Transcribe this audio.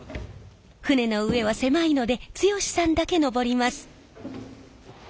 船の上は狭いので剛さんだけ上ります。